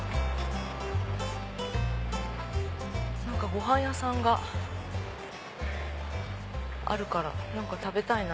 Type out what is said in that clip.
ご飯屋さんがあるから何か食べたいな。